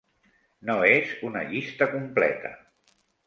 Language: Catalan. No és una llista completa.